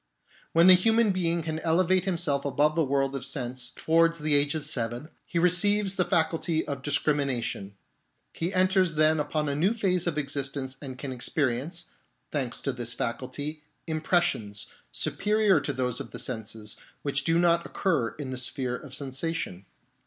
When the human being can elevate himself above the world of sense, towards the age of seven, he receives the faculty of discrimination ; he enters then upon a new phase of existence and can experience, thanks to this faculty, impressions, superior to those of the senses, which do not occur in the sphere of sensation.